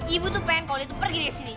ibu tuh pengen kalau liah tuh pergi dari sini